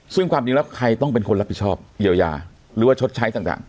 ซึ่งความจริงแล้วใครต้องเป็นคนรับผิดชอบเยียวยาหรือว่าชดใช้ต่าง